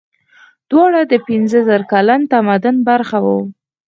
دواړه د پنځه زره کلن تمدن برخه وو.